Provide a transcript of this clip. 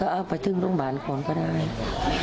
แต่พอมันมีประเด็นเรื่องโควิด๑๙ขึ้นมาแล้วก็ยังไม่มีผลชาญสูตรที่บ้าน